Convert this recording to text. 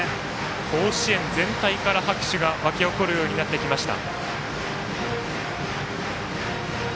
甲子園全体から拍手が沸き起こるようになってきました。